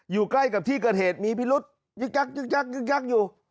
อยู่ใกล้กับที่เกิดเหตุมีพิรุษยึกยักยึกยักยึกยักอยู่